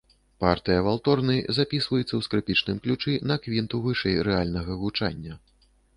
Партыя валторны запісваецца ў скрыпічным ключы на квінту вышэй рэальнага гучання.